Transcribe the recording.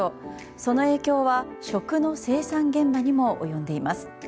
その影響は食の生産現場にも及んでいます。